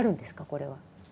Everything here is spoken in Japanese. これは。